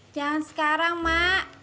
jangan sekarang mak